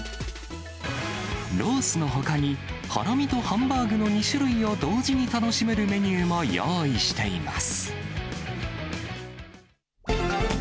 ロースのほかに、ハラミとハンバーグの２種類を同時に楽しめるメニューも用意しています。